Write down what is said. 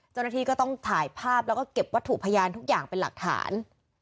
เจ้าหน้าที่ก็ต้องถ่ายภาพแล้วก็เก็บวัตถุพยานทุกอย่างเป็นหลักฐาน